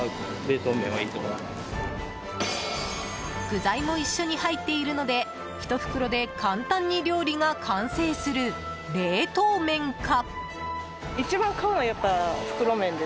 具材も一緒に入っているので１袋で簡単に料理が完成する冷凍麺か？